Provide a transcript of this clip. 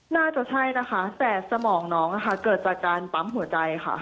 น่าจะใช่นะคะแต่สมองน้องเกิดจากการปั๊มหัวใจค่ะ